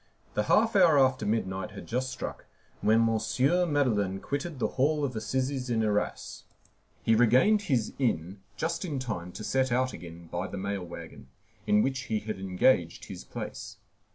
The half hour after midnight had just struck when M. Madeleine quitted the Hall of Assizes in Arras. He regained his inn just in time to set out again by the mail wagon, in which he had engaged his place.